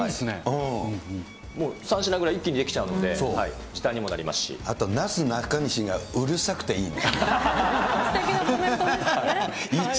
３品ぐらい一気に出来ちゃうあとなすなかにしがうるさくていいね。